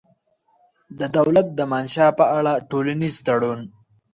د دولت د منشا په اړه ټولنیز تړون